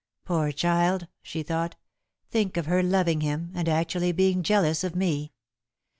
"Poor child," she thought. "Think of her loving him, and actually being jealous of me!